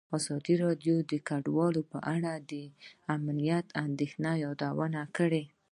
ازادي راډیو د کډوال په اړه د امنیتي اندېښنو یادونه کړې.